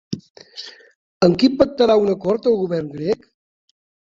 Amb qui pactarà un acord el govern grec?